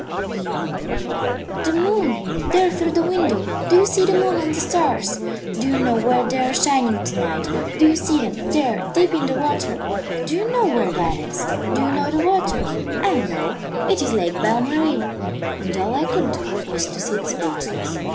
"You mean " "The moon there through the window? Do you see the moon and the stars? Do you know where they are shining to night? Do you see them, there, deep in the water? Do you know where that is? Do you know the water? I know. It is Lake Belle Marie." And all I could do was to sit speechless.